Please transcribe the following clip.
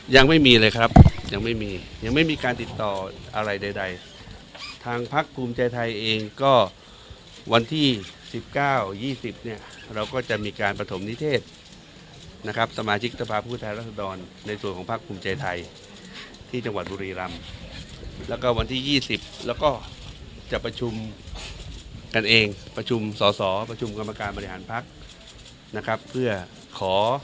ยังไม่มีเลยครับยังไม่มียังไม่มีการติดต่ออะไรใดทางพักภูมิใจไทยเองก็วันที่สิบเก้ายี่สิบเนี่ยเราก็จะมีการประถมนิเทศนะครับสมาชิกสภาพผู้แทนรัศดรในส่วนของพักภูมิใจไทยที่จังหวัดบุรีรำแล้วก็วันที่ยี่สิบแล้วก็จะประชุมกันเองประชุมสอสอประชุมกรรมการบริหารพักนะครับเพื่อขอ